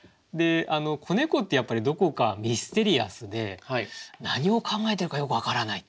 子猫ってやっぱりどこかミステリアスで何を考えているかよく分からないって。